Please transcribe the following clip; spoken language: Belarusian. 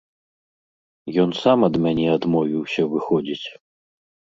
Ён сам ад мяне адмовіўся, выходзіць.